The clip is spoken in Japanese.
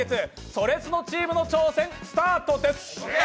「それスノ」チームの挑戦、スタートです。